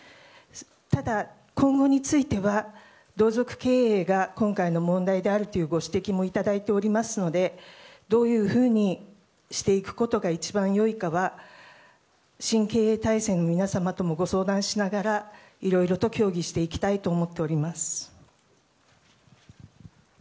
ただ、今後については同族経営が今回の問題であるというご指摘もいただいておりますのでどういうふうにしていくことが一番良いかは新経営体制の皆様ともご相談しながらいろいろと協議していきたいと思っております。